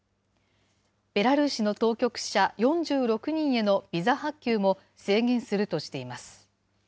ベラルーシの当局者４６人へのビザ発給も制限するとしています。